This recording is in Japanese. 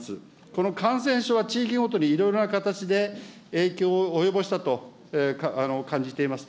この感染症は地域ごとにいろいろな形で影響を及ぼしたと感じています。